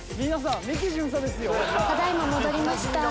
ただ今戻りました。